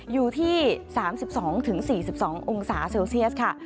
อยู่ที่๓๒๔๒องศาเซลเซียสค่ะ